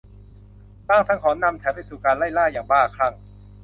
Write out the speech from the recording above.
ลางสังหรณ์นำฉันไปสู่การไล่ล่าอย่างบ้าคลั่ง